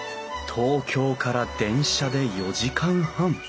東京から電車で４時間半。